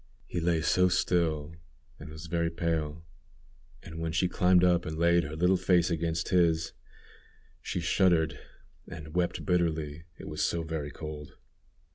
He lay so still, and was very pale; and when she climbed up and laid her little face against his, she shuddered and wept bitterly, it was so very cold.